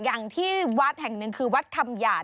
อย่างที่วัดแห่งหนึ่งคือวัดคำหยาด